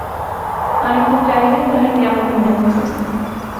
অনেকক্ষণ চাহিয়া তাহার কেমন মনে হইল।